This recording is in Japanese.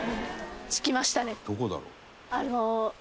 「どこだろう？」